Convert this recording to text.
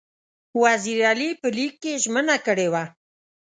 وزیر علي په لیک کې ژمنه کړې وه.